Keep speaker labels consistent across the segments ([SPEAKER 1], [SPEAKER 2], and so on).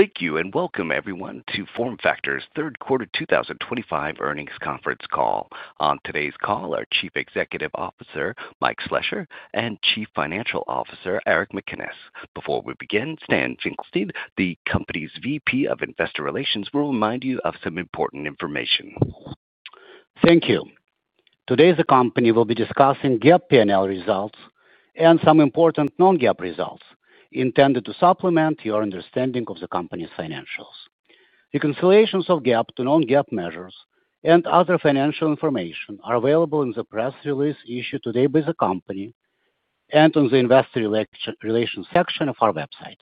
[SPEAKER 1] Thank you and welcome, everyone, to FormFactor's third quarter 2025 earnings conference call. On today's call are Chief Executive Officer Mike Slessor and Chief Financial Officer Eric McInnis. Before we begin, Stan Finkelstein, the company's VP of Investor Relations, will remind you of some important information.
[SPEAKER 2] Thank you. Today, the company will be discussing GAAP P&L results and some important non-GAAP results intended to supplement your understanding of the company's financials. Reconciliations of GAAP to non-GAAP measures and other financial information are available in the press release issued today by the company and on the Investor Relations section of our website.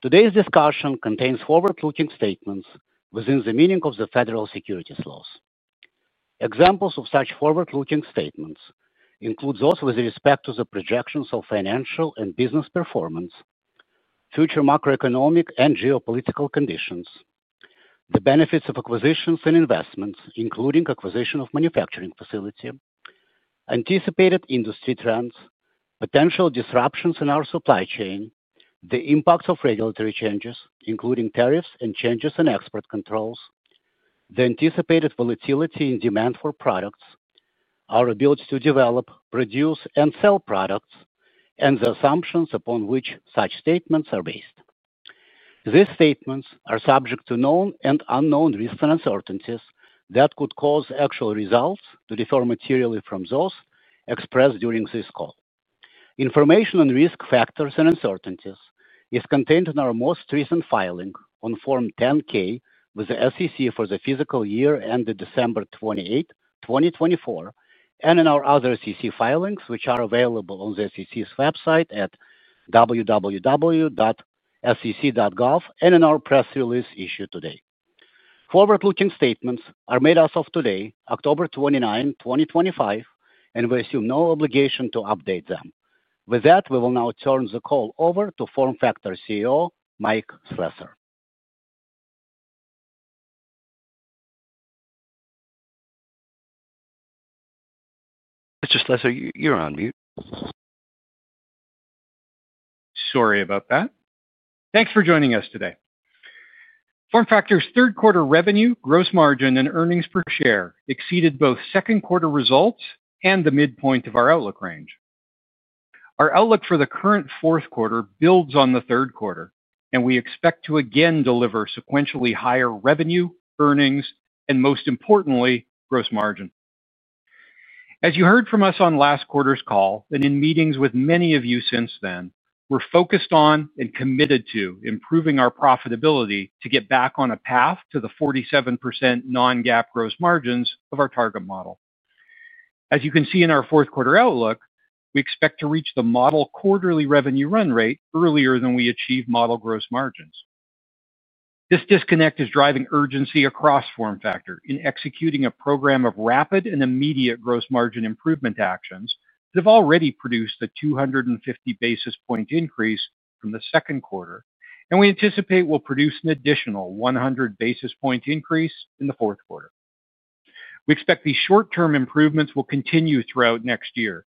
[SPEAKER 2] Today's discussion contains forward-looking statements within the meaning of the Federal Securities Laws. Examples of such forward-looking statements include those with respect to the projections of financial and business performance, future macroeconomic and geopolitical conditions, the benefits of acquisitions and investments, including acquisition of a manufacturing facility, anticipated industry trends, potential disruptions in our supply chain, the impacts of regulatory changes, including tariffs and changes in export controls, the anticipated volatility in demand for products, our ability to develop, produce, and sell products, and the assumptions upon which such statements are based. These statements are subject to known and unknown risks and uncertainties that could cause actual results to differ materially from those expressed during this call. Information on risk factors and uncertainties is contained in our most recent filing on Form 10-K with the SEC for the fiscal year ended December 28, 2024, and in our other SEC filings, which are available on the SEC's website at www.sec.gov and in our press release issued today. Forward-looking statements are made as of today, October 29, 2025, and we assume no obligation to update them. With that, we will now turn the call over to FormFactor CEO Mike Slessor.
[SPEAKER 1] Mr. Slessor, you're on mute.
[SPEAKER 3] Sorry about that. Thanks for joining us today. FormFactor's third quarter revenue, gross margin, and earnings per share exceeded both second quarter results and the midpoint of our outlook range. Our outlook for the current fourth quarter builds on the third quarter, and we expect to again deliver sequentially higher revenue, earnings, and most importantly, gross margin. As you heard from us on last quarter's call and in meetings with many of you since then, we're focused on and committed to improving our profitability to get back on a path to the 47% non-GAAP gross margins of our target model. As you can see in our fourth quarter outlook, we expect to reach the model quarterly revenue run rate earlier than we achieve model gross margins. This disconnect is driving urgency across FormFactor in executing a program of rapid and immediate gross margin improvement actions that have already produced a 250 basis point increase from the second quarter, and we anticipate will produce an additional 100 basis point increase in the fourth quarter. We expect these short-term improvements will continue throughout next year,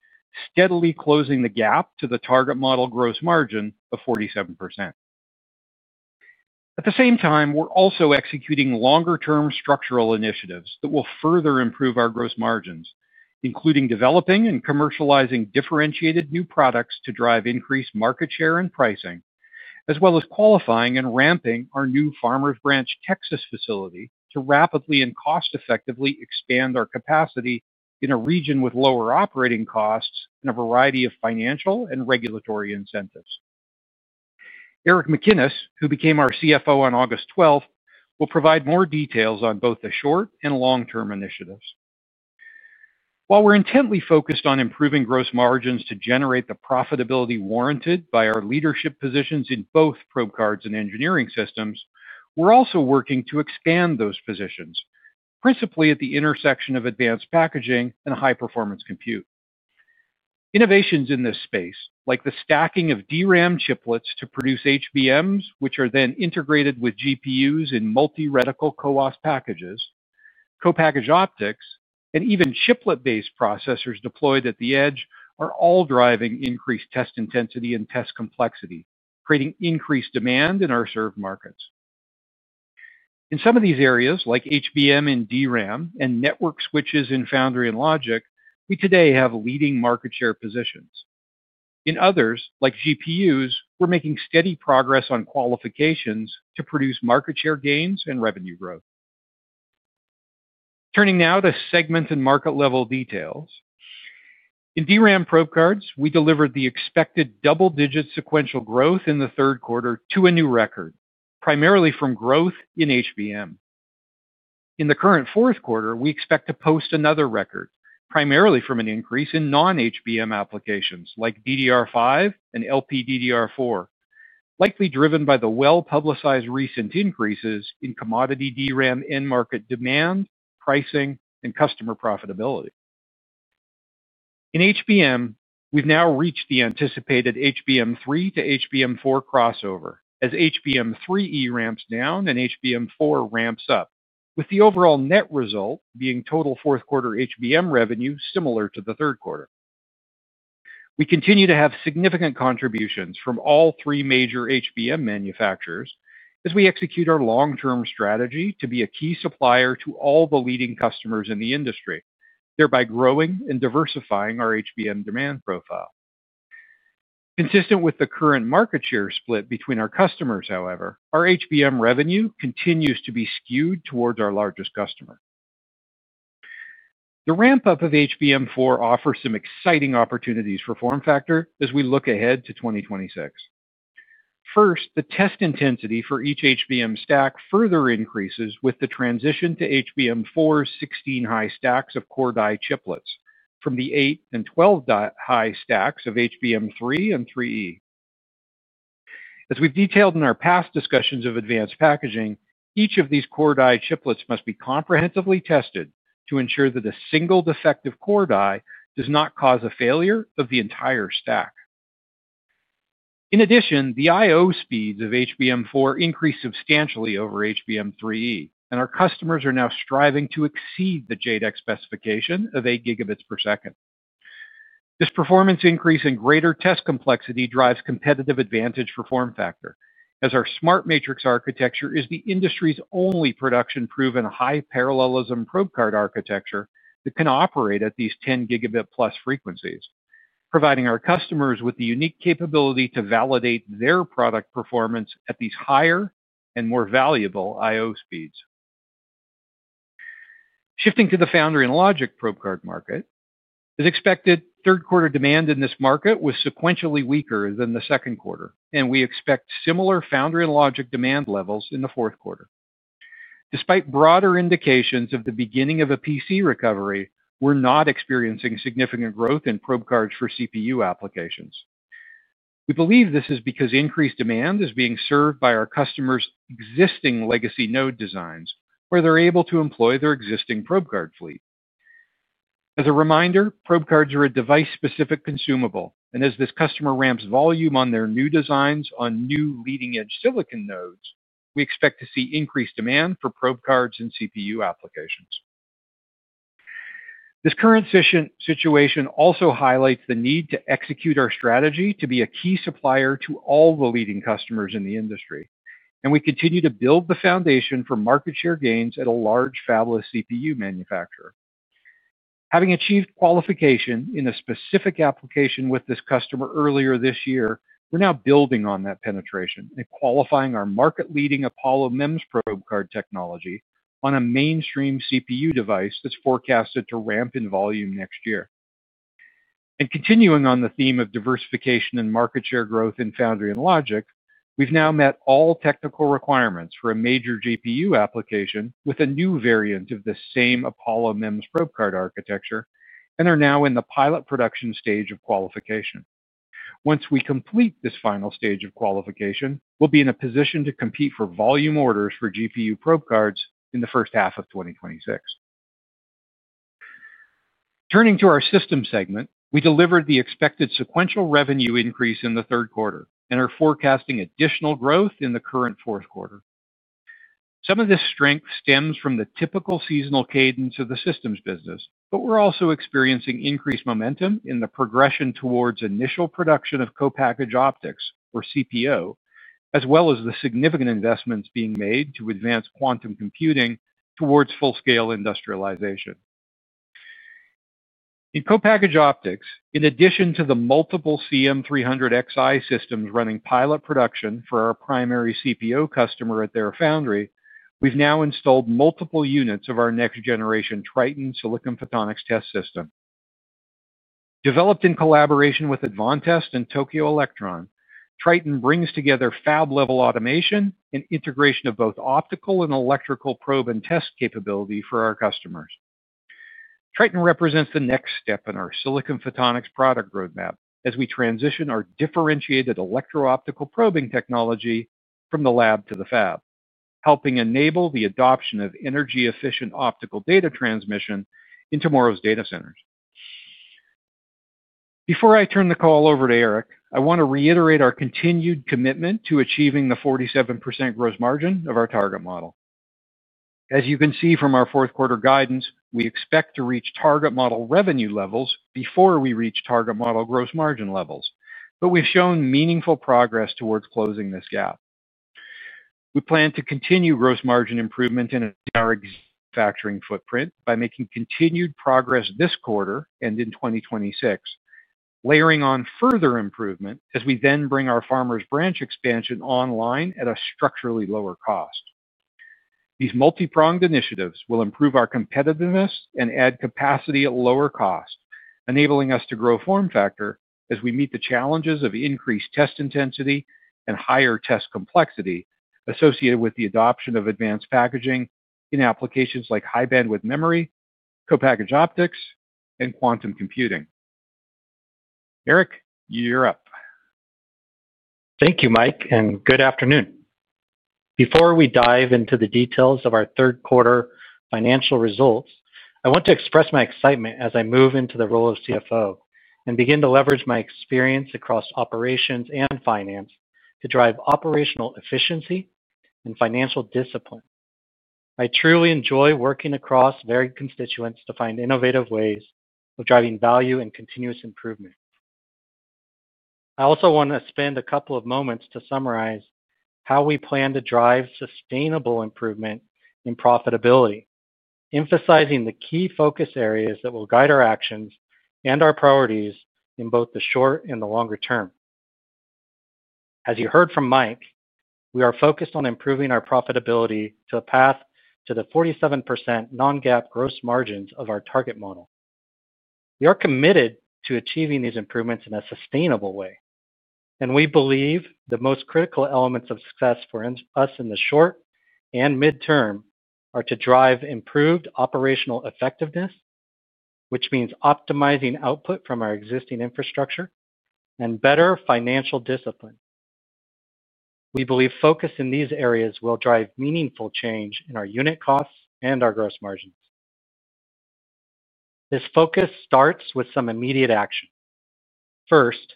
[SPEAKER 3] steadily closing the gap to the target model gross margin of 47%. At the same time, we're also executing longer-term structural initiatives that will further improve our gross margins, including developing and commercializing differentiated new products to drive increased market share and pricing, as well as qualifying and ramping our new Farmers Branch, Texas facility to rapidly and cost-effectively expand our capacity in a region with lower operating costs and a variety of financial and regulatory incentives. Eric McInnis, who became our CFO on August 12th, will provide more details on both the short and long-term initiatives. While we're intently focused on improving gross margins to generate the profitability warranted by our leadership positions in both probecards and Engineering Systems, we're also working to expand those positions, principally at the intersection of advanced packaging and high-performance compute. Innovations in this space, like the stacking of DRAM chiplets to produce HBMs, which are then integrated with GPUs in multi-reticle co-op packages, co-packaged optics, and even chiplet-based processors deployed at the edge, are all driving increased test intensity and test complexity, creating increased demand in our serve markets. In some of these areas, like HBM and DRAM, and network switches in foundry and logic, we today have leading market share positions. In others, like GPUs, we're making steady progress on qualifications to produce market share gains and revenue growth. Turning now to segment and market level details. In DRAM probecards, we delivered the expected double-digit sequential growth in the third quarter to a new record, primarily from growth in HBM. In the current fourth quarter, we expect to post another record, primarily from an increase in non-HBM applications like DDR5 and LPDDR4, likely driven by the well-publicized recent increases in commodity DRAM end-market demand, pricing, and customer profitability. In HBM, we've now reached the anticipated HBM3 to HBM4 crossover as HBM3e ramps down and HBM4 ramps up, with the overall net result being total fourth quarter HBM revenue similar to the third quarter. We continue to have significant contributions from all three major HBM manufacturers as we execute our long-term strategy to be a key supplier to all the leading customers in the industry, thereby growing and diversifying our HBM demand profile. Consistent with the current market share split between our customers, however, our HBM revenue continues to be skewed towards our largest customer. The ramp-up of HBM4 offers some exciting opportunities for FormFactor as we look ahead to 2026. First, the test intensity for each HBM stack further increases with the transition to HBM4's 16-high stacks of core die chiplets from the 8 and 12-high stacks of HBM3 and 3e. As we've detailed in our past discussions of advanced packaging, each of these core die chiplets must be comprehensively tested to ensure that a single defective core die does not cause a failure of the entire stack. In addition, the I/O speeds of HBM4 increase substantially over HBM3e, and our customers are now striving to exceed the JEDEC specification of 8 Gb per second. This performance increase and greater test complexity drive competitive advantage for FormFactor, as our SmartMatrix architecture is the industry's only production-proven high-parallelism probecard architecture that can operate at these 10 Gb+ frequencies, providing our customers with the unique capability to validate their product performance at these higher and more valuable I/O speeds. Shifting to the foundry and logic probecard market, as expected, third quarter demand in this market was sequentially weaker than the second quarter, and we expect similar foundry and logic demand levels in the fourth quarter. Despite broader indications of the beginning of a PC recovery, we're not experiencing significant growth in probecards for CPU applications. We believe this is because increased demand is being served by our customers' existing legacy node designs, where they're able to employ their existing probecard fleet. As a reminder, probecards are a device-specific consumable, and as this customer ramps volume on their new designs on new leading-edge silicon nodes, we expect to see increased demand for probecards and CPU applications. This current situation also highlights the need to execute our strategy to be a key supplier to all the leading customers in the industry, and we continue to build the foundation for market share gains at a large, fabulous CPU manufacturer. Having achieved qualification in a specific application with this customer earlier this year, we're now building on that penetration and qualifying our market-leading Apollo MEMS probecard technology on a mainstream CPU device that's forecasted to ramp in volume next year. Continuing on the theme of diversification and market share growth in foundry and logic, we've now met all technical requirements for a major GPU application with a new variant of the same Apollo MEMS probecard architecture and are now in the pilot production stage of qualification. Once we complete this final stage of qualification, we'll be in a position to compete for volume orders for GPU probecards in the first half of 2026. Turning to our systems segment, we delivered the expected sequential revenue increase in the third quarter and are forecasting additional growth in the current fourth quarter. Some of this strength stems from the typical seasonal cadence of the systems business, but we're also experiencing increased momentum in the progression towards initial production of co-packaged optics, or CPO, as well as the significant investments being made to advance quantum computing towards full-scale industrialization. In co-packaged optics, in addition to the multiple CM300Xi systems running pilot production for our primary CPO customer at their foundry, we've now installed multiple units of our next-generation Triton silicon photonics test system. Developed in collaboration with Advantest and Tokyo Electron, Triton brings together fab-level automation and integration of both optical and electrical probe and test capability for our customers. Triton represents the next step in our silicon photonics product roadmap as we transition our differentiated electro-optical probing technology from the lab to the fab, helping enable the adoption of energy-efficient optical data transmission in tomorrow's data centers. Before I turn the call over to Eric, I want to reiterate our continued commitment to achieving the 47% gross margin of our target model. As you can see from our fourth quarter guidance, we expect to reach target model revenue levels before we reach target model gross margin levels, but we've shown meaningful progress towards closing this gap. We plan to continue gross margin improvement in our executive factoring footprint by making continued progress this quarter and in 2026, layering on further improvement as we then bring our Farmers Branch expansion online at a structurally lower cost. These multipronged initiatives will improve our competitiveness and add capacity at lower cost, enabling us to grow FormFactor as we meet the challenges of increased test intensity and higher test complexity associated with the adoption of advanced packaging in applications like high-bandwidth memory, co-packaged optics, and quantum computing. Eric, you're up.
[SPEAKER 4] Thank you, Mike, and good afternoon. Before we dive into the details of our third quarter financial results, I want to express my excitement as I move into the role of CFO and begin to leverage my experience across operations and finance to drive operational efficiency and financial discipline. I truly enjoy working across varied constituents to find innovative ways of driving value and continuous improvement. I also want to spend a couple of moments to summarize how we plan to drive sustainable improvement in profitability, emphasizing the key focus areas that will guide our actions and our priorities in both the short and the longer term. As you heard from Mike, we are focused on improving our profitability to a path to the 47% non-GAAP gross margins of our target model. We are committed to achieving these improvements in a sustainable way, and we believe the most critical elements of success for us in the short and midterm are to drive improved operational effectiveness, which means optimizing output from our existing infrastructure and better financial discipline. We believe focus in these areas will drive meaningful change in our unit costs and our gross margins. This focus starts with some immediate action. First,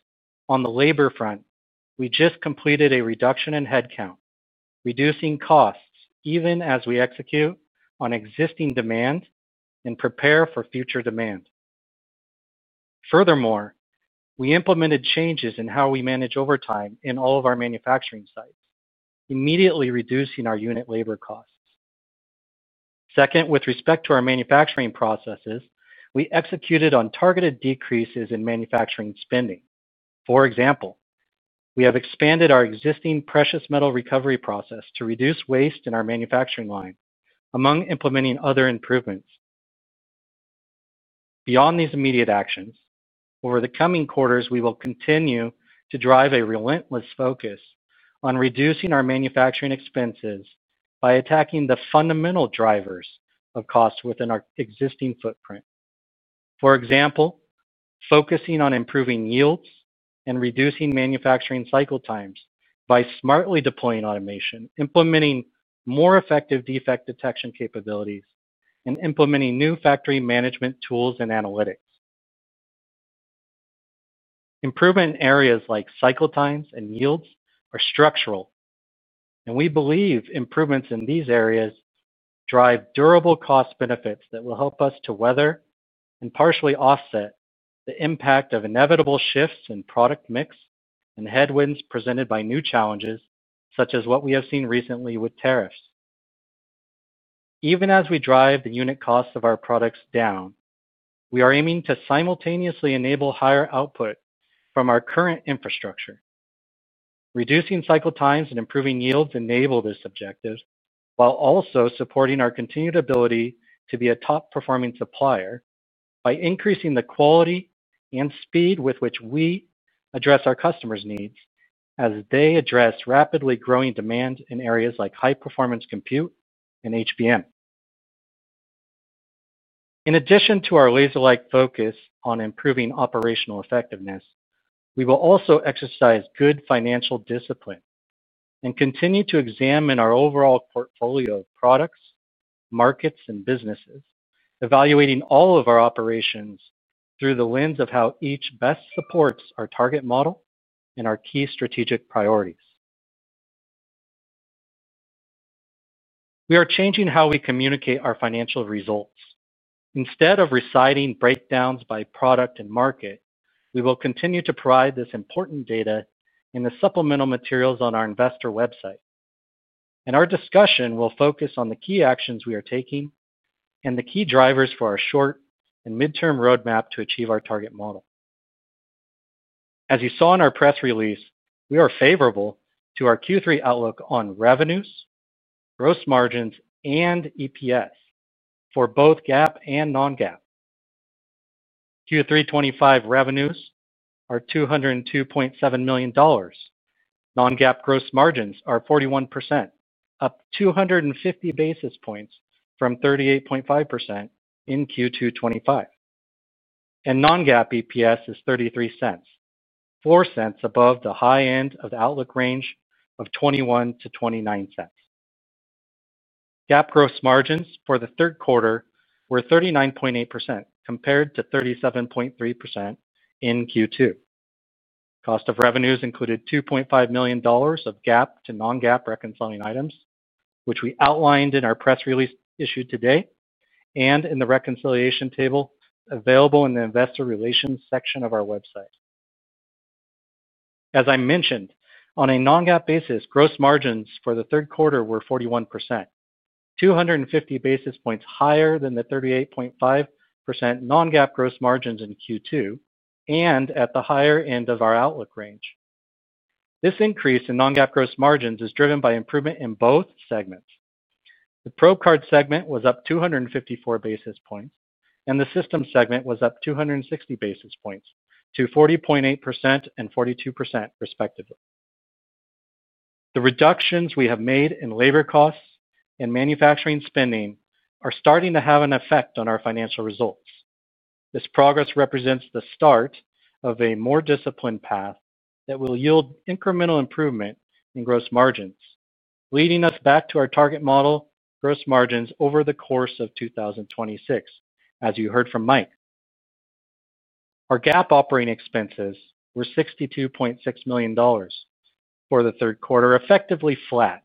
[SPEAKER 4] on the labor front, we just completed a reduction in headcount, reducing costs even as we execute on existing demand and prepare for future demand. Furthermore, we implemented changes in how we manage overtime in all of our manufacturing sites, immediately reducing our unit labor costs. Second, with respect to our manufacturing processes, we executed on targeted decreases in manufacturing spending. For example, we have expanded our existing precious metal recovery process to reduce waste in our manufacturing line, among implementing other improvements. Beyond these immediate actions, over the coming quarters, we will continue to drive a relentless focus on reducing our manufacturing expenses by attacking the fundamental drivers of cost within our existing footprint. For example, focusing on improving yields and reducing manufacturing cycle times by smartly deploying automation, implementing more effective defect detection capabilities, and implementing new factory management tools and analytics. Improvement in areas like cycle times and yields are structural, and we believe improvements in these areas drive durable cost benefits that will help us to weather and partially offset the impact of inevitable shifts in product mix and headwinds presented by new challenges, such as what we have seen recently with tariffs. Even as we drive the unit costs of our products down, we are aiming to simultaneously enable higher output from our current infrastructure. Reducing cycle times and improving yields enable this objective while also supporting our continued ability to be a top-performing supplier by increasing the quality and speed with which we address our customers' needs as they address rapidly growing demand in areas like high-performance compute and HBM. In addition to our laser-like focus on improving operational effectiveness, we will also exercise good financial discipline and continue to examine our overall portfolio of products, markets, and businesses, evaluating all of our operations through the lens of how each best supports our target model and our key strategic priorities. We are changing how we communicate our financial results. Instead of reciting breakdowns by product and market, we will continue to provide this important data in the supplemental materials on our investor website, and our discussion will focus on the key actions we are taking and the key drivers for our short and midterm roadmap to achieve our target model. As you saw in our press release, we are favorable to our Q3 outlook on revenues, gross margins, and EPS for both GAAP and non-GAAP. Q3 2025 revenues are $202.7 million. Non-GAAP gross margins are 41%, up 250 basis points from 38.5% in Q2 2025. Non-GAAP EPS is $0.33, $0.04 above the high end of the outlook range of $0.21-$0.29. GAAP gross margins for the third quarter were 39.8% compared to 37.3% in Q2. Cost of revenues included $2.5 million of GAAP to non-GAAP reconciling items, which we outlined in our press release issued today and in the reconciliation table available in the Investor Relations section of our website. As I mentioned, on a non-GAAP basis, gross margins for the third quarter were 41%, 250 basis points higher than the 38.5% non-GAAP gross margins in Q2 and at the higher end of our outlook range. This increase in non-GAAP gross margins is driven by improvement in both segments. The Probecard segment was up 254 basis points, and the systems segment was up 260 basis points to 40.8% and 42%, respectively. The reductions we have made in labor costs and manufacturing spending are starting to have an effect on our financial results. This progress represents the start of a more disciplined path that will yield incremental improvement in gross margins, leading us back to our target model gross margins over the course of 2026, as you heard from Mike. Our GAAP operating expenses were $62.6 million for the third quarter, effectively flat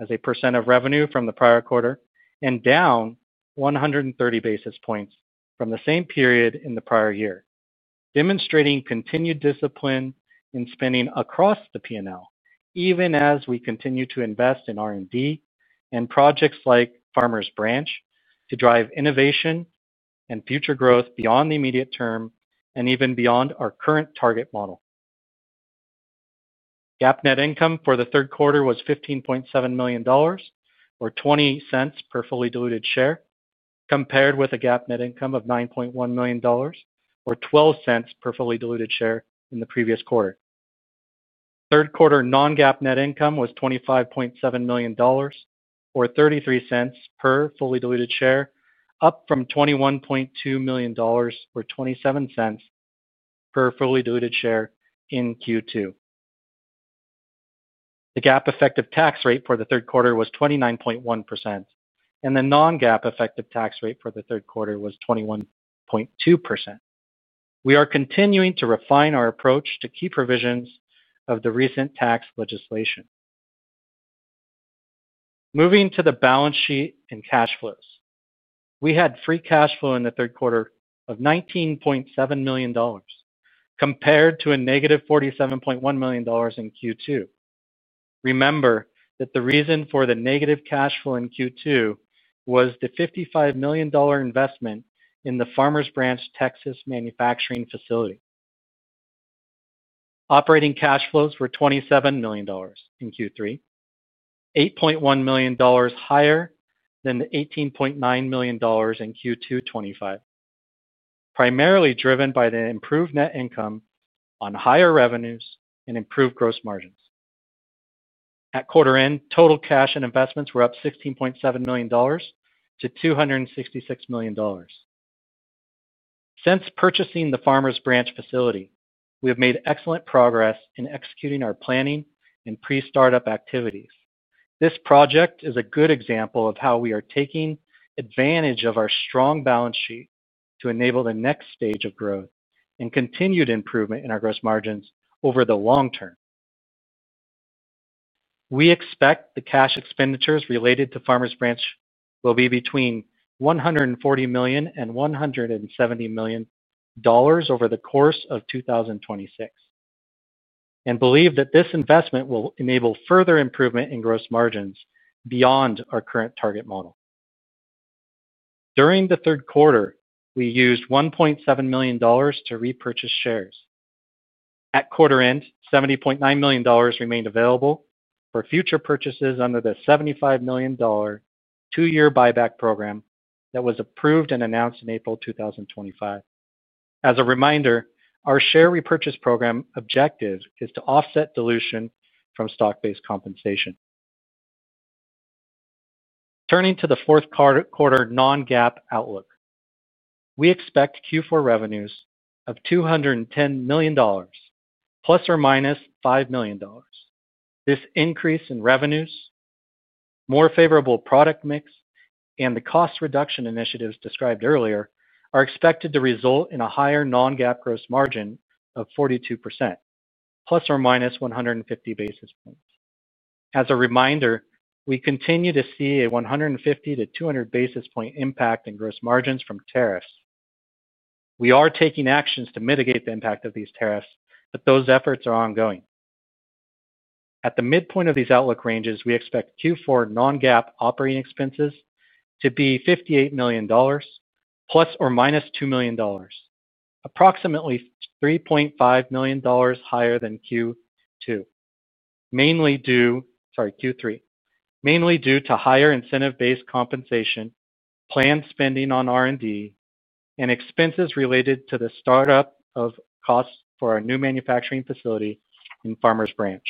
[SPEAKER 4] as a percent of revenue from the prior quarter and down 130 basis points from the same period in the prior year, demonstrating continued discipline in spending across the P&L, even as we continue to invest in R&D and projects like Farmers Branch to drive innovation and future growth beyond the immediate term and even beyond our current target model. GAAP net income for the third quarter was $15.7 million, or $0.20 per fully diluted share, compared with a GAAP net income of $9.1 million, or $0.12 per fully diluted share in the previous quarter. Third quarter non-GAAP net income was $25.7 million, or $0.33 per fully diluted share, up from $21.2 million, or $0.27 per fully diluted share in Q2. The GAAP effective tax rate for the third quarter was 29.1%, and the non-GAAP effective tax rate for the third quarter was 21.2%. We are continuing to refine our approach to key provisions of the recent tax legislation. Moving to the balance sheet and cash flows, we had free cash flow in the third quarter of $19.7 million compared to a negative $47.1 million in Q2. Remember that the reason for the negative cash flow in Q2 was the $55 million investment in the Farmers Branch, Texas manufacturing facility. Operating cash flows were $27 million in Q3, $8.1 million higher than the $18.9 million in Q2 2025, primarily driven by the improved net income on higher revenues and improved gross margins. At quarter end, total cash and investments were up $16.7 million to $266 million. Since purchasing the Farmers Branch facility, we have made excellent progress in executing our planning and pre-startup activities. This project is a good example of how we are taking advantage of our strong balance sheet to enable the next stage of growth and continued improvement in our gross margins over the long term. We expect the cash expenditures related to Farmers Branch will be between $140 million and $170 million over the course of 2026, and believe that this investment will enable further improvement in gross margins beyond our current target model. During the third quarter, we used $1.7 million to repurchase shares. At quarter end, $70.9 million remained available for future purchases under the $75 million two-year buyback program that was approved and announced in April 2025. As a reminder, our share repurchase program objective is to offset dilution from stock-based compensation. Turning to the fourth quarter non-GAAP outlook, we expect Q4 revenues of $210 million, plus or minus $5 million. This increase in revenues, more favorable product mix, and the cost reduction initiatives described earlier are expected to result in a higher non-GAAP gross margin of 42%, plus or minus 150 basis points. As a reminder, we continue to see a 150 to 200 basis point impact in gross margins from tariffs. We are taking actions to mitigate the impact of these tariffs, but those efforts are ongoing. At the midpoint of these outlook ranges, we expect Q4 non-GAAP operating expenses to be $58 million, plus or minus $2 million, approximately $3.5 million higher than Q2, mainly due to higher incentive-based compensation, planned spending on R&D, and expenses related to the startup of costs for our new manufacturing facility in Farmers Branch.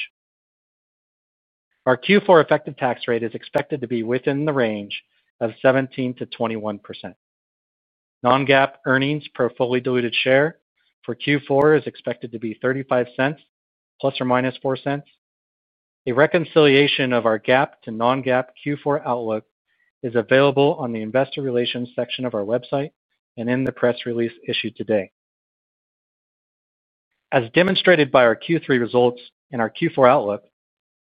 [SPEAKER 4] Our Q4 effective tax rate is expected to be within the range of 17%-21%. Non-GAAP earnings per fully diluted share for Q4 is expected to be $0.35, plus or minus $0.04. A reconciliation of our GAAP to non-GAAP Q4 outlook is available on the Investor Relations section of our website and in the press release issued today. As demonstrated by our Q3 results and our Q4 outlook,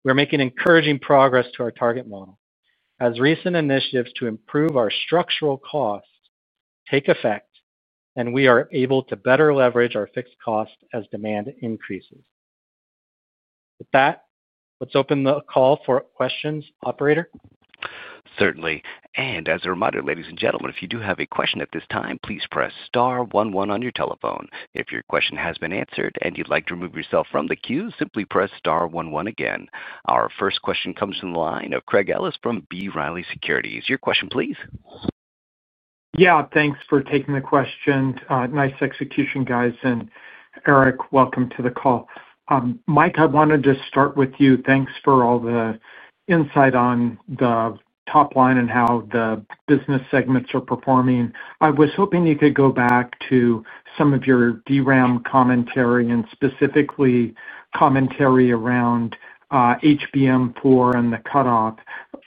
[SPEAKER 4] we're making encouraging progress to our target model. As recent initiatives to improve our structural costs take effect, we are able to better leverage our fixed cost as demand increases. With that, let's open the call for questions, operator.
[SPEAKER 1] Certainly. As a reminder, ladies and gentlemen, if you do have a question at this time, please press star ne ne on your telephone. If your question has been answered and you'd like to remove yourself from the queue, simply press star one one again. Our first question comes from the line of Craig Ellis from B. Riley Securities. Your question, please.
[SPEAKER 5] Yeah, thanks for taking the question. Nice execution, guys. And Eric, welcome to the call. Mike, I wanted to start with you. Thanks for all the insight on the top line and how the business segments are performing. I was hoping you could go back to some of your DRAM commentary and specifically commentary around HBM4 and the cutoff.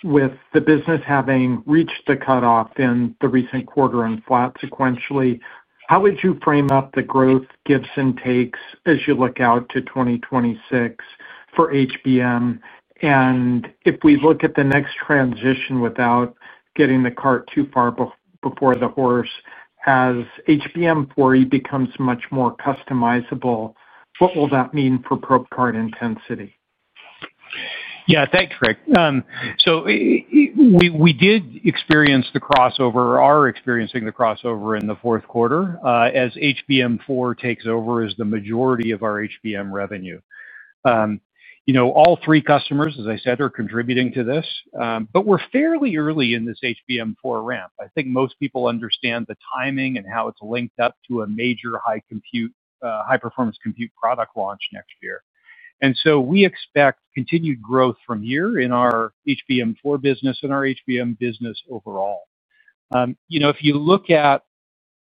[SPEAKER 5] With the business having reached the cutoff in the recent quarter and flat sequentially, how would you frame up the growth gives and takes as you look out to 2026 for HBM? If we look at the next transition without getting the cart too far before the horse, as HBM4 becomes much more customizable, what will that mean for probecard intensity?
[SPEAKER 3] Yeah, thanks, Craig. We did experience the crossover, are experiencing the crossover in the fourth quarter as HBM4 takes over as the majority of our HBM revenue. All three customers, as I said, are contributing to this, but we're fairly early in this HBM4 ramp. I think most people understand the timing and how it's linked up to a major high-performance compute product launch next year. We expect continued growth from here in our HBM4 business and our HBM business overall. If you look at,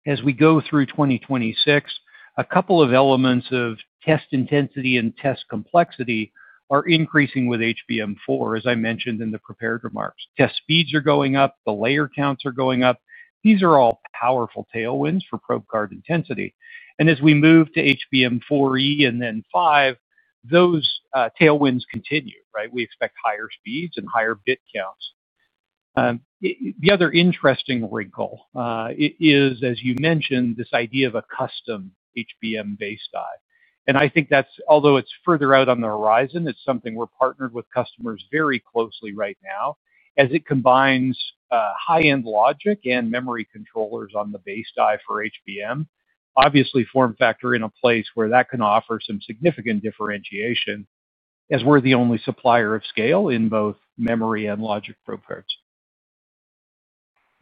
[SPEAKER 3] as we go through 2026, a couple of elements of test intensity and test complexity are increasing with HBM4, as I mentioned in the prepared remarks. Test speeds are going up, the layer counts are going up. These are all powerful tailwinds for Probecard intensity. As we move to HBM4e and then five, those tailwinds continue, right? We expect higher speeds and higher bit counts. The other interesting wrinkle is, as you mentioned, this idea of a custom HBM base die. I think that's, although it's further out on the horizon, it's something we're partnered with customers very closely right now as it combines high-end logic and memory controllers on the base die for HBM. Obviously, FormFactor in a place where that can offer some significant differentiation as we're the only supplier of scale in both memory and logic probecards.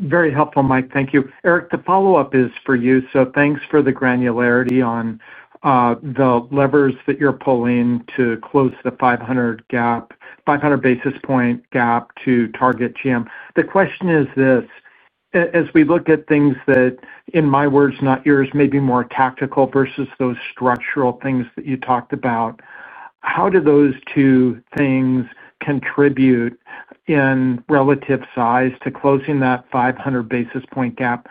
[SPEAKER 5] Very helpful, Mike. Thank you. Eric, the follow-up is for you. Thank you for the granularity on the levers that you're pulling to close the 500 basis point GAAP to target GM. The question is this: as we look at things that, in my words, not yours, may be more tactical versus those structural things that you talked about, how do those two things contribute in relative size to closing that 500 basis point GAAP?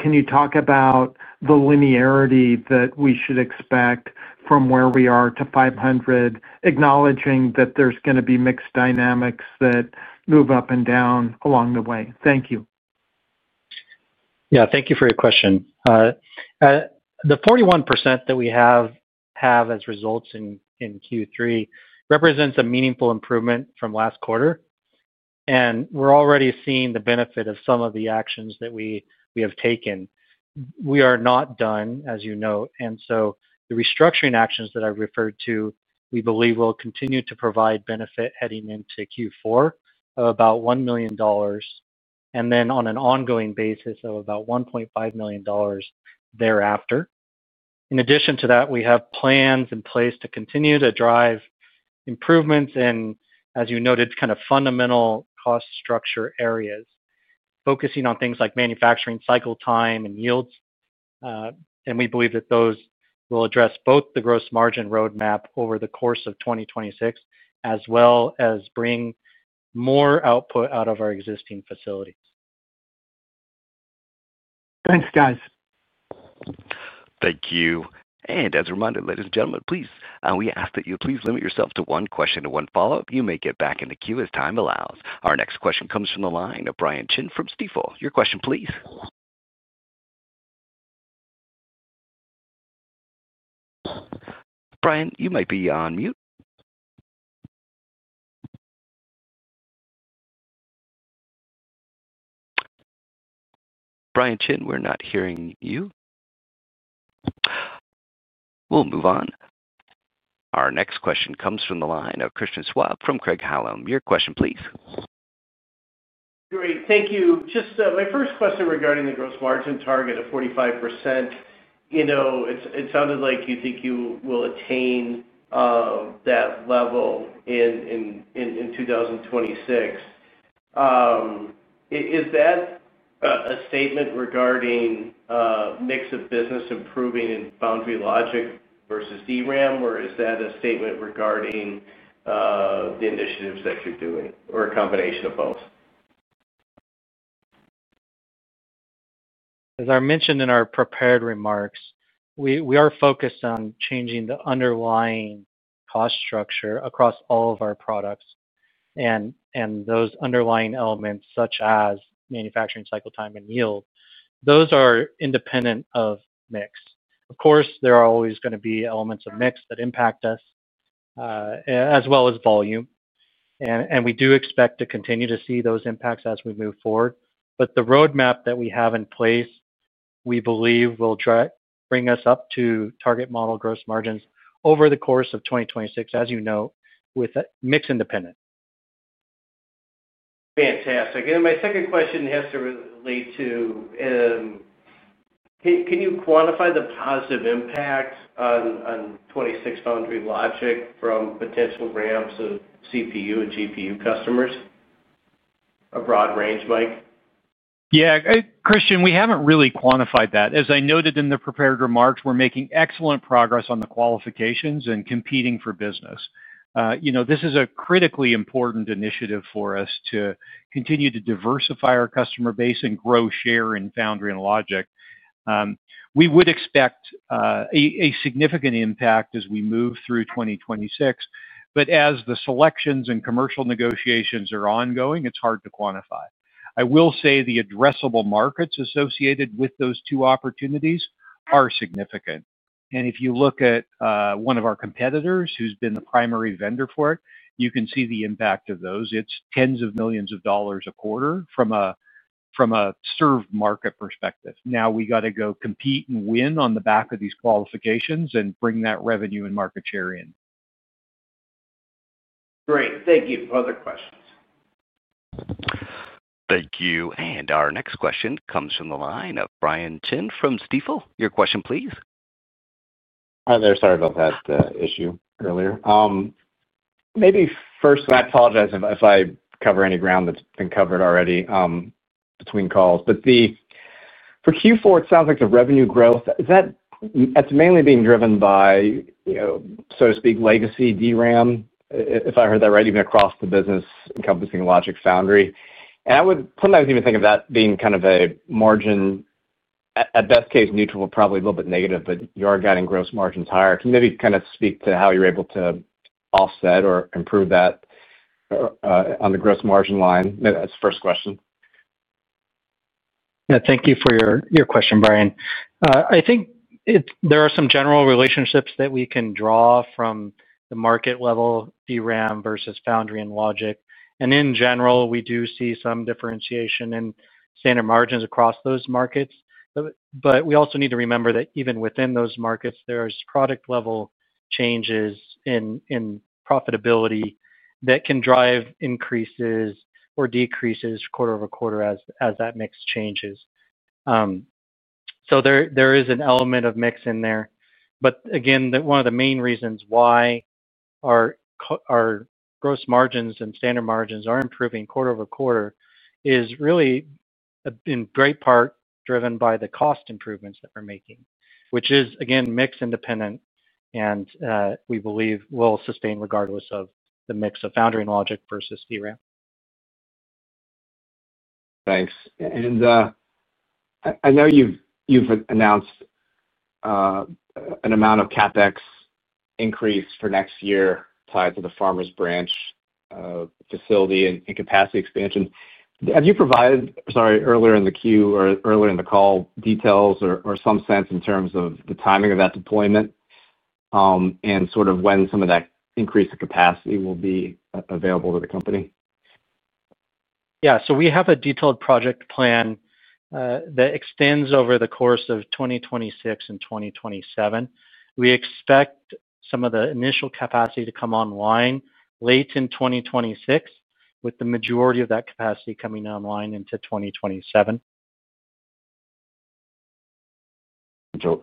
[SPEAKER 5] Can you talk about the linearity that we should expect from where we are to 500, acknowledging that there's going to be mixed dynamics that move up and down along the way? Thank you.
[SPEAKER 4] Yeah, thank you for your question. The 41% that we have as results in Q3 represents a meaningful improvement from last quarter, and we're already seeing the benefit of some of the actions that we have taken. We are not done, as you note, and the restructuring actions that I referred to, we believe, will continue to provide benefit heading into Q4 of about $1 million, and then on an ongoing basis of about $1.5 million thereafter. In addition to that, we have plans in place to continue to drive improvements in, as you noted, kind of fundamental cost structure areas, focusing on things like manufacturing cycle time and yields. We believe that those will address both the gross margin roadmap over the course of 2026, as well as bring more output out of our existing facilities.
[SPEAKER 5] Thanks, guys.
[SPEAKER 1] Thank you. As a reminder, ladies and gentlemen, please, we ask that you please limit yourself to one question and one follow-up. You may get back in the queue as time allows. Our next question comes from the line of Brian Chin from Stifel. Your question, please. Brian, you might be on mute. Brian Chin, we're not hearing you. We'll move on. Our next question comes from the line of Christian Schwab from Craig-Hallum. Your question, please.
[SPEAKER 6] Great, thank you. Just my first question regarding the gross margin target of 45%. You know, it sounded like you think you will attain that level in 2026. Is that a statement regarding a mix of business improving in foundry and logic versus DRAM, or is that a statement regarding the initiatives that you're doing, or a combination of both?
[SPEAKER 4] As I mentioned in our prepared remarks, we are focused on changing the underlying cost structure across all of our products, and those underlying elements such as manufacturing cycle time and yield, those are independent of mix. Of course, there are always going to be elements of mix that impact us, as well as volume. We do expect to continue to see those impacts as we move forward. The roadmap that we have in place, we believe, will bring us up to target model gross margins over the course of 2026, as you note, with mix independence.
[SPEAKER 6] Fantastic. My second question has to relate to, can you quantify the positive impacts on 2026 foundry and logic from potential ramps of CPU and GPU customers? A broad range, Mike.
[SPEAKER 3] Yeah, Christian, we haven't really quantified that. As I noted in the prepared remarks, we're making excellent progress on the qualifications and competing for business. This is a critically important initiative for us to continue to diversify our customer base and grow share in foundry and logic. We would expect a significant impact as we move through 2026. As the selections and commercial negotiations are ongoing, it's hard to quantify. I will say the addressable markets associated with those two opportunities are significant. If you look at one of our competitors, who's been the primary vendor for it, you can see the impact of those. It's tens of millions of dollars a quarter from a served market perspective. Now we got to go compete and win on the back of these qualifications and bring that revenue and market share in.
[SPEAKER 6] Great, thank you for answering the questions.
[SPEAKER 1] Thank you. Our next question comes from the line of Brian Chin from Stifel. Your question, please.
[SPEAKER 7] Hi there. Sorry about that issue earlier. I apologize if I cover any ground that's been covered already between calls. For Q4, it sounds like the revenue growth, is that mainly being driven by, you know, so to speak, legacy DRAM, if I heard that right, even across the business encompassing Logic Foundry. I would sometimes even think of that being kind of a margin, at best case neutral, probably a little bit negative, but you are getting gross margins higher. Can you maybe kind of speak to how you're able to offset or improve that on the gross margin line? That's the first question.
[SPEAKER 4] Yeah, thank you for your question, Brian. I think there are some general relationships that we can draw from the market level, DRAM versus foundry and logic. In general, we do see some differentiation in standard margins across those markets. We also need to remember that even within those markets, there are product level changes in profitability that can drive increases or decreases quarter over quarter as that mix changes. There is an element of mix in there. Again, one of the main reasons why our gross margins and standard margins are improving quarter over quarter is really in great part driven by the cost improvements that we're making, which is, again, mix independent and we believe will sustain regardless of the mix of foundry and logic versus DRAM.
[SPEAKER 7] Thanks. I know you've announced an amount of CapEx increase for next year tied to the Farmers Branch, Texas facility and capacity expansion. Have you provided earlier in the call details or some sense in terms of the timing of that deployment and when some of that increase in capacity will be available to the company?
[SPEAKER 4] Yeah, we have a detailed project plan that extends over the course of 2026 and 2027. We expect some of the initial capacity to come online late in 2026, with the majority of that capacity coming online into 2027.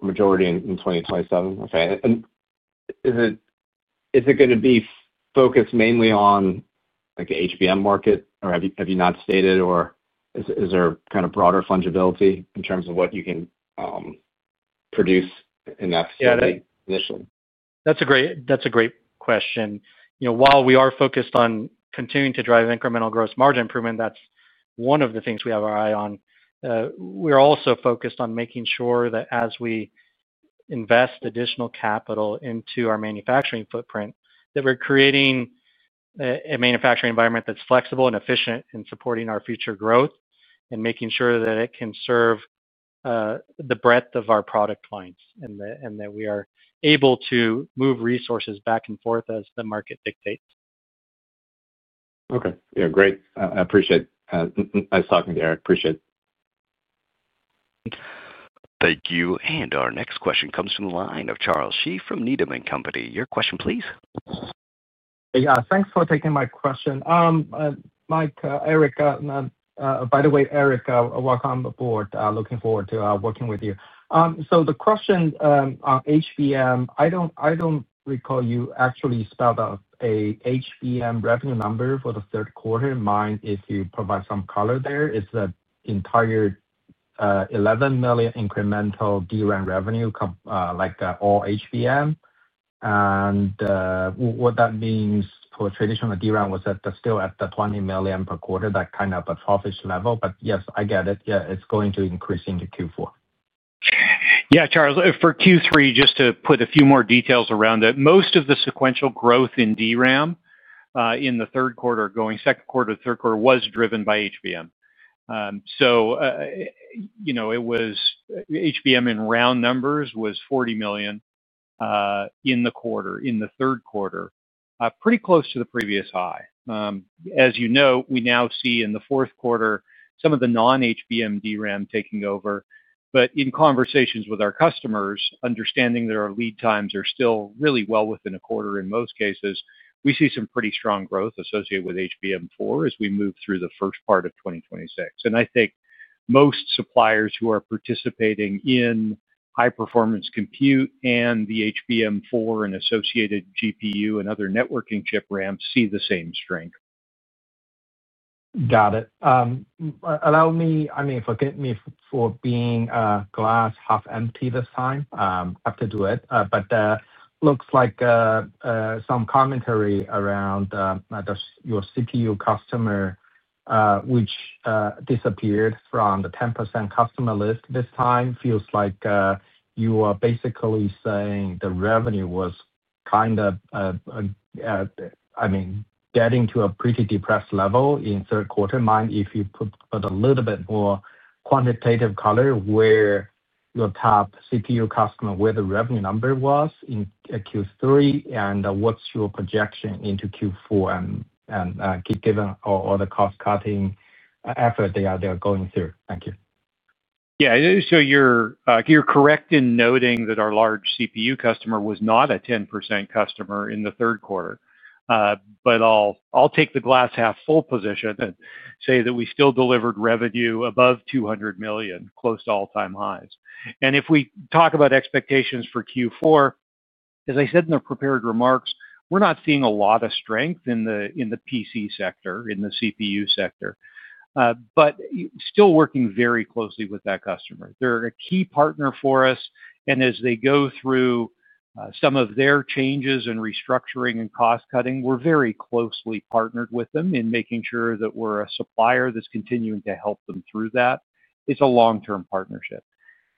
[SPEAKER 7] Majority in 2027. Okay. Is it going to be focused mainly on the HBM market, or have you not stated, or is there broader fungibility in terms of what you can produce in that space initially?
[SPEAKER 4] That's a great question. While we are focused on continuing to drive incremental gross margin improvement, that's one of the things we have our eye on. We're also focused on making sure that as we invest additional capital into our manufacturing footprint, we're creating a manufacturing environment that's flexible and efficient in supporting our future growth and making sure that it can serve the breadth of our product lines and that we are able to move resources back and forth as the market dictates.
[SPEAKER 7] Okay. Yeah, great. I appreciate us talking to Eric. Appreciate it.
[SPEAKER 1] Thank you. Our next question comes from the line of Charles Shi from Needham & Company. Your question, please.
[SPEAKER 8] Yeah, thanks for taking my question. Mike, Eric, by the way, Eric, welcome on the board. Looking forward to working with you. The question on HBM, I don't recall you actually spelled out an HBM revenue number for the third quarter. Mind if you provide some color there, is that entire $11 million incremental DRAM revenue, like all HBM? What that means for traditional DRAM, was that still at the $20 million per quarter, that kind of a troughish level? Yes, I get it. It's going to increase into Q4.
[SPEAKER 3] Yeah, Charles, for Q3, just to put a few more details around it, most of the sequential growth in DRAM in the third quarter, going second quarter to third quarter, was driven by HBM. It was HBM in round numbers, $40 million in the quarter, in the third quarter, pretty close to the previous high. As you know, we now see in the fourth quarter some of the non-HBM DRAM taking over. In conversations with our customers, understanding that our lead times are still really well within a quarter in most cases, we see some pretty strong growth associated with HBM4 as we move through the first part of 2026. I think most suppliers who are participating in high-performance compute and the HBM4 and associated GPU and other networking chip RAM see the same strength.
[SPEAKER 8] Got it. Forgive me for being a glass half empty this time. I have to do it. It looks like some commentary around your CPU customer, which disappeared from the 10% customer list this time, feels like you are basically saying the revenue was kind of getting to a pretty depressed level in the third quarter. If you could put a little bit more quantitative color where your top CPU customer, where the revenue number was in Q3, and what's your projection into Q4 given all the cost-cutting effort they are going through. Thank you.
[SPEAKER 3] Yeah, you're correct in noting that our large CPU customer was not a 10% customer in the third quarter. I'll take the glass half full position and say that we still delivered revenue above $200 million, close to all-time highs. If we talk about expectations for Q4, as I said in the prepared remarks, we're not seeing a lot of strength in the PC sector, in the CPU sector, but still working very closely with that customer. They're a key partner for us. As they go through some of their changes and restructuring and cost-cutting, we're very closely partnered with them in making sure that we're a supplier that's continuing to help them through that. It's a long-term partnership.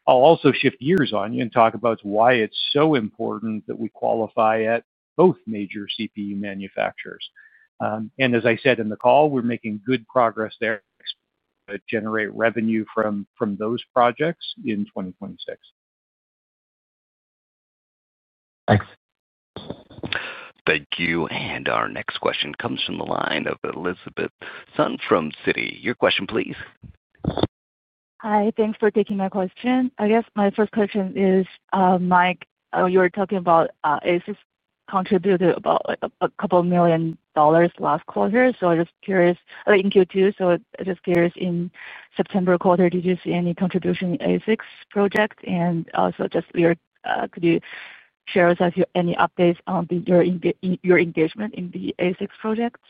[SPEAKER 3] I'll also shift gears and talk about why it's so important that we qualify at both major CPU manufacturers. As I said in the call, we're making good progress there to generate revenue from those projects in 2026.
[SPEAKER 8] Thanks.
[SPEAKER 1] Thank you. Our next question comes from the line of Elizabeth Sun from Citi. Your question, please.
[SPEAKER 9] Hi, thanks for taking my question. I guess my first question is, Mike, you were talking about ASICs contributed about a couple million dollars last quarter. I'm just curious, like in Q2, in September quarter, did you see any contribution in ASICs project? Also, could you share with us any updates on your engagement in the ASICs projects?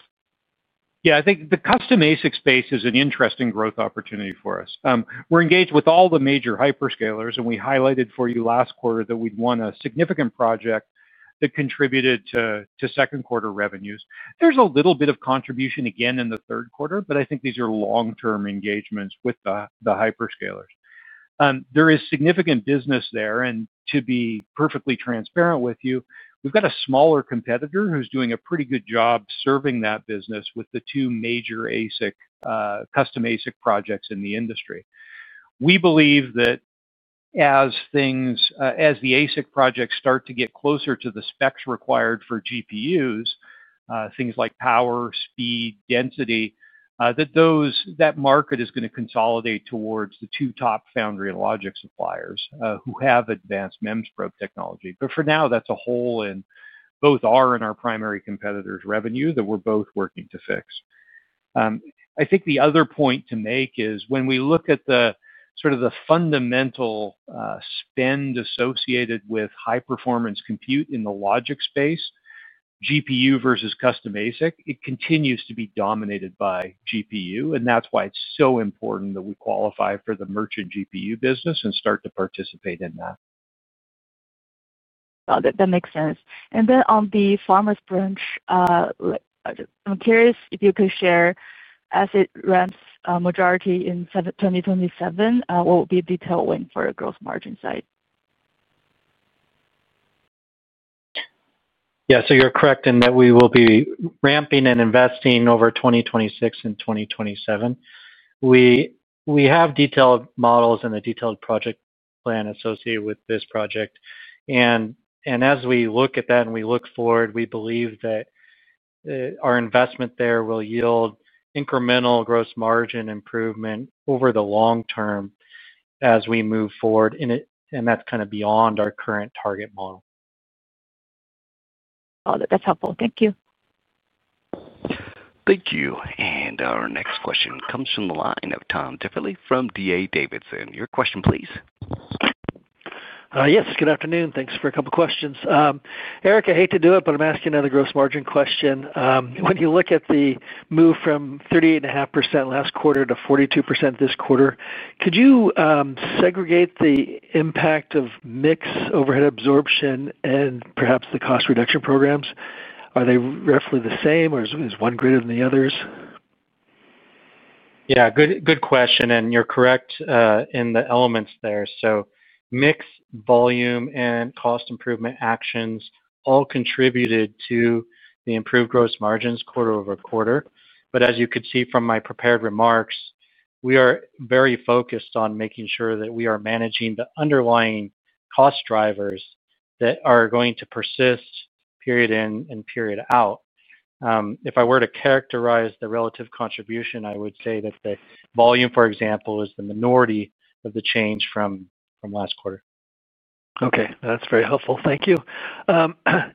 [SPEAKER 3] Yeah, I think the custom ASICs space is an interesting growth opportunity for us. We're engaged with all the major hyperscalers, and we highlighted for you last quarter that we'd won a significant project that contributed to second quarter revenues. There's a little bit of contribution again in the third quarter. I think these are long-term engagements with the hyperscalers. There is significant business there. To be perfectly transparent with you, we've got a smaller competitor who's doing a pretty good job serving that business with the two major custom ASIC projects in the industry. We believe that as the ASIC projects start to get closer to the specs required for GPUs, things like power, speed, density, that market is going to consolidate towards the two top foundry and logic suppliers who have advanced MEMS probe technology. For now, that's a hole in both our and our primary competitor's revenue that we're both working to fix. I think the other point to make is when we look at the sort of the fundamental spend associated with high-performance compute in the logic space, GPU versus custom ASIC, it continues to be dominated by GPU. That's why it's so important that we qualify for the merchant GPU business and start to participate in that.
[SPEAKER 9] That makes sense. On the Farmers Branch, I'm curious if you could share, as it ramps a majority in 2027, what would be a detailed win for the gross margin side?
[SPEAKER 4] Yeah, you're correct in that we will be ramping and investing over 2026 and 2027. We have detailed models and a detailed project plan associated with this project. As we look at that and we look forward, we believe that our investment there will yield incremental gross margin improvement over the long term as we move forward. That's kind of beyond our current target model.
[SPEAKER 9] That's helpful. Thank you.
[SPEAKER 1] Thank you. Our next question comes from the line of Tom Diffely from D.A. Davidson. Your question, please.
[SPEAKER 10] Yes, good afternoon. Thanks for a couple of questions. Eric, I hate to do it, but I'm asking another gross margin question. When you look at the move from 38.5% last quarter to 42% this quarter, could you segregate the impact of mix, overhead absorption, and perhaps the cost reduction programs? Are they roughly the same, or is one greater than the others?
[SPEAKER 4] Yeah, good question. You're correct in the elements there. Mix, volume, and cost improvement actions all contributed to the improved gross margins quarter over quarter. As you could see from my prepared remarks, we are very focused on making sure that we are managing the underlying cost drivers that are going to persist period in and period out. If I were to characterize the relative contribution, I would say that the volume, for example, is the minority of the change from last quarter.
[SPEAKER 10] Okay, that's very helpful. Thank you.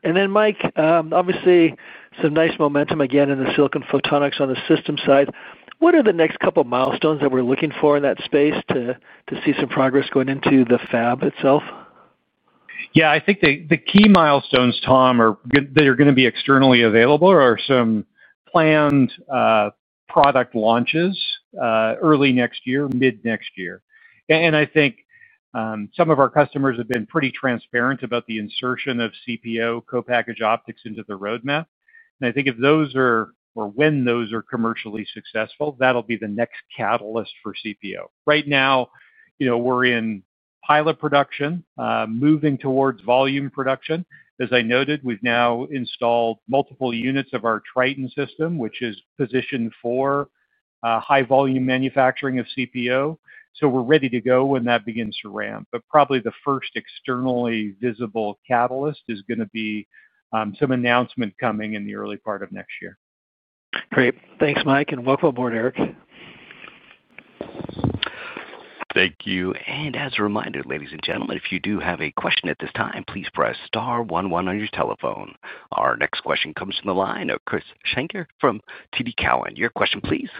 [SPEAKER 10] Mike, obviously, some nice momentum again in the silicon photonics on the system side. What are the next couple of milestones that we're looking for in that space to see some progress going into the fab itself?
[SPEAKER 3] Yeah, I think the key milestones, Tom, are going to be externally available or some planned product launches early next year, mid next year. I think some of our customers have been pretty transparent about the insertion of CPO, co-packaged optics, into the roadmap. I think if those are, or when those are commercially successful, that'll be the next catalyst for CPO. Right now, we're in pilot production, moving towards volume production. As I noted, we've now installed multiple units of our TRITON test system, which is positioned for high volume manufacturing of CPO. We're ready to go when that begins to ramp. Probably the first externally visible catalyst is going to be some announcement coming in the early part of next year.
[SPEAKER 10] Great. Thanks, Mike, and welcome aboard, Eric.
[SPEAKER 1] Thank you. As a reminder, ladies and gentlemen, if you do have a question at this time, please press star 11 on your telephone. Our next question comes from the line of Krish Sankar from TD Cowen. Your question, please.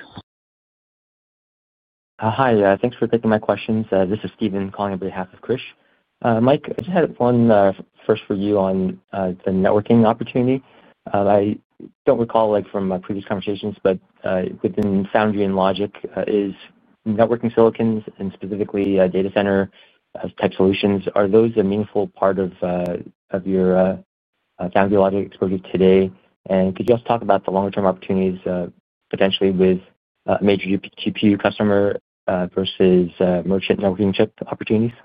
[SPEAKER 11] Hi there. Thanks for taking my questions. This is Steven calling on behalf of Krish. Mike, I just had one first for you on the networking opportunity. I don't recall from previous conversations, but within foundry and logic, is networking silicons and specifically data center type solutions, are those a meaningful part of your foundry logic exposure today? Could you also talk about the longer-term opportunities potentially with a major GPU customer versus merchant networking chip opportunities?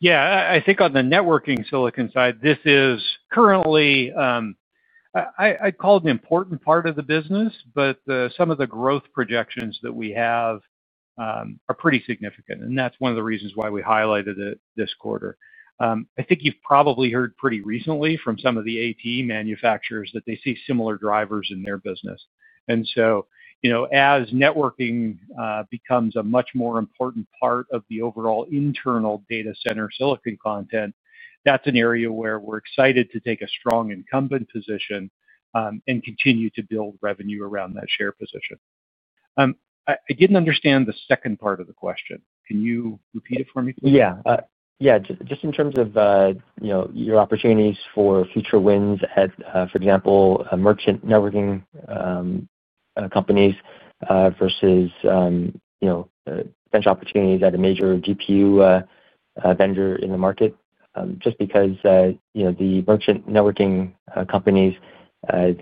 [SPEAKER 3] Yeah, I think on the networking silicon side, this is currently, I'd call it an important part of the business, but some of the growth projections that we have are pretty significant. That's one of the reasons why we highlighted it this quarter. I think you've probably heard pretty recently from some of the AP manufacturers that they see similar drivers in their business. As networking becomes a much more important part of the overall internal data center silicon content, that's an area where we're excited to take a strong incumbent position and continue to build revenue around that shared position. I didn't understand the second part of the question. Can you repeat it for me, please?
[SPEAKER 11] Yeah, just in terms of your opportunities for future wins at, for example, merchant networking companies versus potential opportunities at a major GPU vendor in the market. Just because the merchant networking companies, as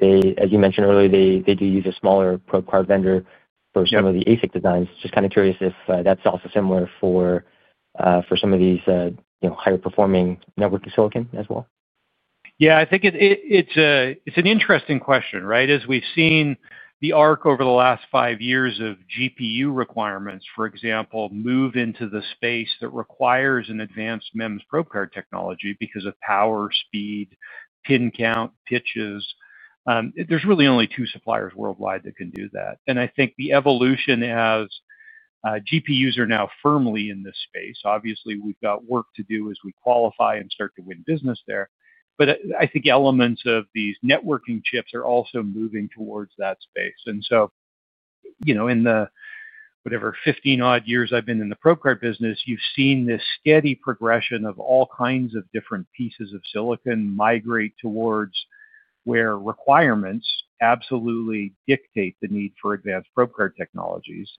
[SPEAKER 11] you mentioned earlier, do use a smaller probecard vendor for some of the ASIC designs. Just kind of curious if that's also similar for some of these higher performing networking silicon as well.
[SPEAKER 3] Yeah, I think it's an interesting question, right? As we've seen the arc over the last five years of GPU requirements, for example, move into the space that requires an advanced MEMS probecard technology because of power, speed, pin count, pitches. There's really only two suppliers worldwide that can do that. I think the evolution as GPUs are now firmly in this space, obviously, we've got work to do as we qualify and start to win business there. I think elements of these networking chips are also moving towards that space. In the, whatever, 15 odd years I've been in the probecard business, you've seen this steady progression of all kinds of different pieces of silicon migrate towards where requirements absolutely dictate the need for advanced probecard technologies.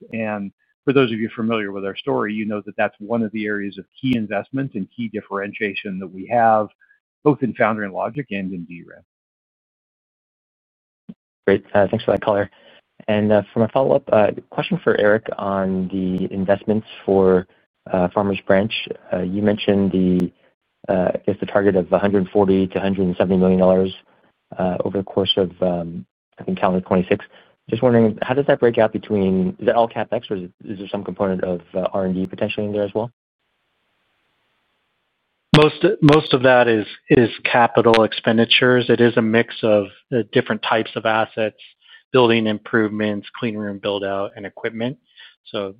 [SPEAKER 3] For those of you familiar with our story, you know that that's one of the areas of key investment and key differentiation that we have, both in foundry and logic and in DRAM.
[SPEAKER 11] Great, thanks for that color. For my follow-up, a question for Eric on the investments for Farmers Branch. You mentioned the target of $140 million-$170 million over the course of, I think, calendar 2026. Just wondering, how does that break out between, is that all CapEx or is there some component of R&D potentially in there as well?
[SPEAKER 4] Most of that is capital expenditures. It is a mix of different types of assets, building improvements, clean room build-out, and equipment.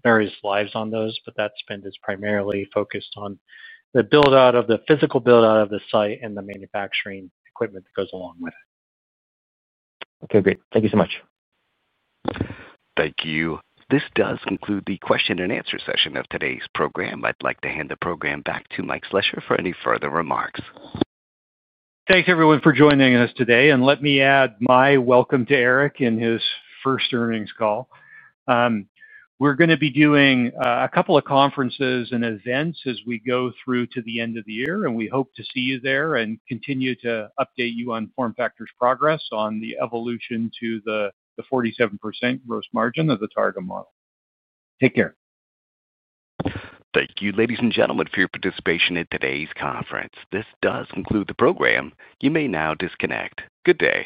[SPEAKER 4] Various lives on those, but that spend is primarily focused on the build-out of the physical build-out of the site and the manufacturing equipment that goes along with it.
[SPEAKER 11] Okay, great. Thank you so much.
[SPEAKER 1] Thank you. This does conclude the question and answer session of today's program. I'd like to hand the program back to Mike Slessor for any further remarks.
[SPEAKER 3] Thanks, everyone, for joining us today. Let me add my welcome to Eric in his first earnings call. We are going to be doing a couple of conferences and events as we go through to the end of the year. We hope to see you there and continue to update you on FormFactor's progress on the evolution to the 47% gross margin of the target model. Take care.
[SPEAKER 1] Thank you, ladies and gentlemen, for your participation at today's conference. This does conclude the program. You may now disconnect. Good day.